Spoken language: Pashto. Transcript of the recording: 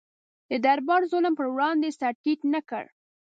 د دربار ظلم پر وړاندې سر ټیټ نه کړ.